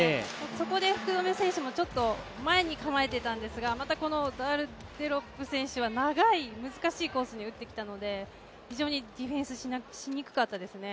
そこで福留選手もちょっと前に構えてたんですがまたこのダールデロップ選手は長い難しいコースに打ってきたので非常にディフェンスしにくかったですね。